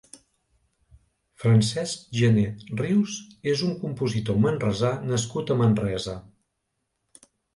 Francesc Gener Rius és un compositor manresà nascut a Manresa.